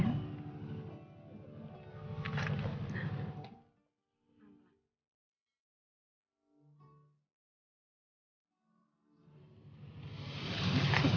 oke pelan pelan bisa kok